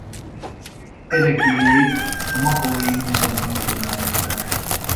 Ereklyéjét a makaói múzeumnak adományozták.